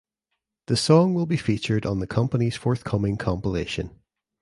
The song will be featured on the companies forthcoming compilation.